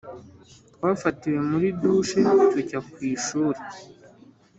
twafatiwe muri douche tujya ku ishuri.